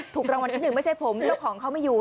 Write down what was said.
ถูกรางวัลที่หนึ่งไม่ใช่ผมเจ้าของเขาไม่อยู่